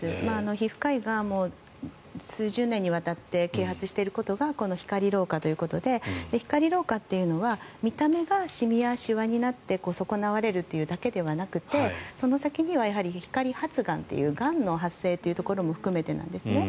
皮膚科医が数十年にわたって啓発していることがこの光老化ということで光老化というのは見た目がシミやシワになって損なわれるというだけではなくてその先には光発がんというがんの発生も含めてなんですね。